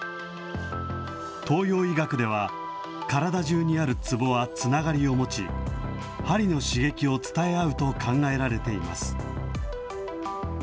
東洋医学では、体中にあるつぼはつながりを持ち、はりの刺激を伝え合うと考えられています。